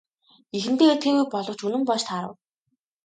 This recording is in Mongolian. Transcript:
Эхэндээ итгээгүй боловч үнэн болж таарав.